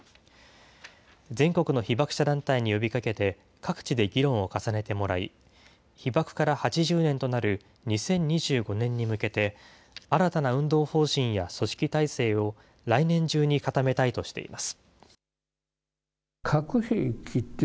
全国の被爆者団体に呼びかけて、各地で議論を重ねてもらい、被爆から８０年となる２０２５年に向けて、新たな運動方針や組織体制を来年中に固めたいとしています。